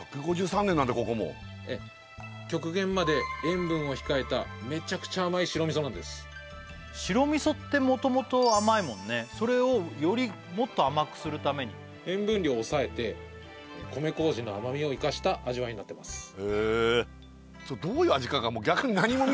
１５３年なんだここも極限まで塩分を控えためちゃくちゃ甘い白味噌なんです白味噌ってもともと甘いもんねそれをよりもっと甘くするために塩分量を抑えて米麹の甘みを生かした味わいになってます